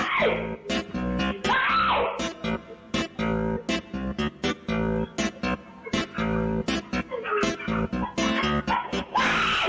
โอ้ชีวิตคุณมากเลยนี่ออกมา